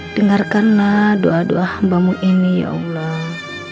dengarkanlah doa doa hambamu ini ya allah